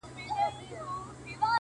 • دومره حيا مه كوه مړ به مي كړې،